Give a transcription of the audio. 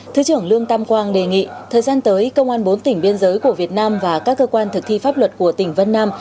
thứ trưởng lương tam quang đề nghị thời gian tới công an bốn tỉnh biên giới của việt nam và các cơ quan thực thi pháp luật của tỉnh vân nam